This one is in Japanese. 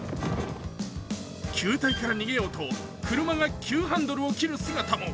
球体から逃げようと車が急ハンドルを切る姿も。